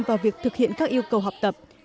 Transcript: vào việc thực hiện các yêu cầu học tập